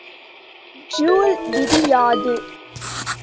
Joule விதி யாது?